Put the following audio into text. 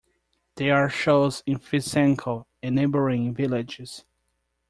There are shows in Frisanco and neighboring villages.